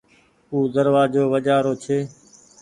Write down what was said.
او دروآزو وجهآ رو ڇي۔